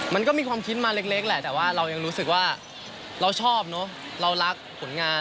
มันก็มีความคิดมาเล็กแหละแต่ว่าเรายังรู้สึกว่าเราชอบเนอะเรารักผลงาน